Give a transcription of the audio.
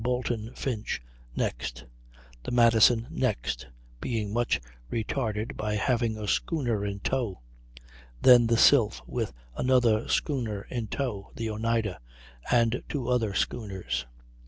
Bolton Finch, next; the Madison next, being much retarded by having a schooner in tow; then the Sylph, with another schooner in tow, the Oneida, and the two other schooners.